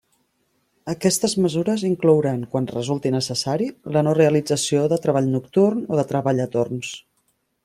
Aquestes mesures inclouran, quan resulti necessari, la no realització de treball nocturn o de treball a torns.